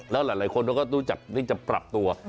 แล้วหลายคนเขาก็รู้จักที่จะปรับตัว